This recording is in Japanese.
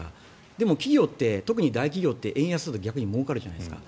でも企業って特に大企業って円安だと逆にもうかるじゃないですか。